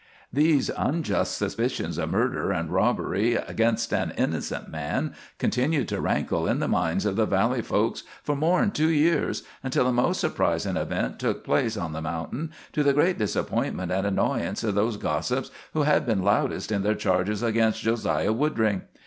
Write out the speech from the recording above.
] "These unjust suspicions of murder and robbery against an innocent man continued to rankle in the minds of the valley folks for more than two years, until a most surprisin' event took place on the mountain, to the great disappointment and annoyance of those gossips who had been loudest in their charges against Jo siah Woodring.